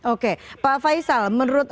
oke pak faisal menurut